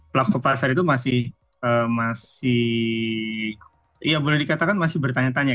plakopasar itu masih masih iya boleh dikatakan masih bertanya tanya